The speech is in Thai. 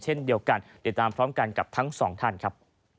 เช่นเดียวกันติดตามพร้อมกันกับทั้งสองท่านครับ